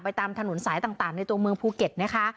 ตามถนนสายต่างในตัวเมืองภูเก็ตนะคะ